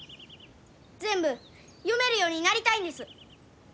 全部読めるようになりたいんです。